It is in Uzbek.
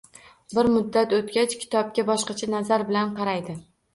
Bir muddat o‘tgach, kitobga boshqacha nazar bilan qaraydi